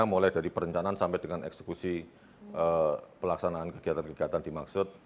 mulai dari perencanaan sampai dengan eksekusi pelaksanaan kegiatan kegiatan dimaksud